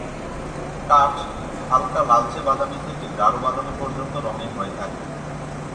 কাঠ হালকা লালচে-বাদামি থেকে গাঢ় বাদামি পর্যন্ত রঙের হয়ে থাকে।